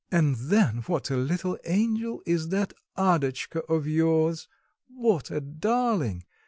"And then what a little angel is that Adotchka of yours, what a darling!